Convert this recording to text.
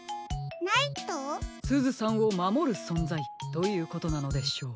すずさんをまもるそんざいということなのでしょう。